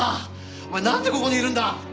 お前なんでここにいるんだ？